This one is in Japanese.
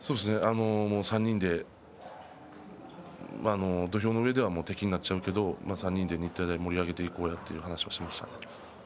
３人で土俵の上では敵になっちゃうけど３人で日体大盛り上げていこうやという話をしました。